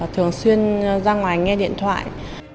thường xuyên ra ngoài nghe điện thoại